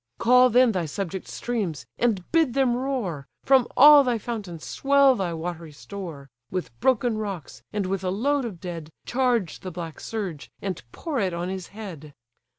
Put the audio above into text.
Call then thy subject streams, and bid them roar, From all thy fountains swell thy watery store, With broken rocks, and with a load of dead, Charge the black surge, and pour it on his head.